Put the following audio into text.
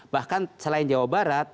bahkan selain jawa barat